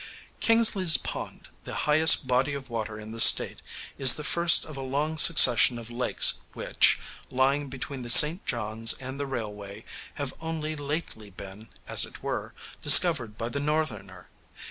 Kingsley's Pond, the highest body of water in the State, is the first of a long succession of lakes which, lying between the St. John's and the railway, have only lately been, as it were, discovered by the Northerner.